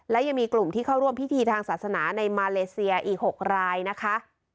และยังมีกลุ่มที่เข้าร่วมพิธีทางศาสนาในมาเลเซียอีก๖รายนะคะ